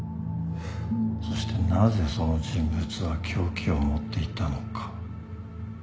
そしてなぜその人物は凶器を持っていたのか。